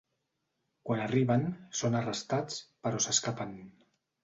Quan arriben, són arrestats, però s'escapen.